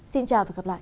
xin chào và hẹn gặp lại